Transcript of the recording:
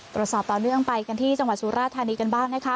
ต่อเนื่องไปกันที่จังหวัดสุราธานีกันบ้างนะคะ